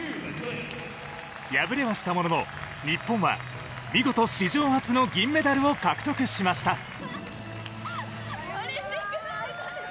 破れはしたものの日本は見事史上初の銀メダルを獲得しました。